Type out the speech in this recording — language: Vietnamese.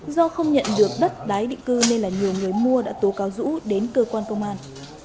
do không nhận được đất đái định cư nên là nhiều người mua đã tố cáo dũ đến cơ quan công an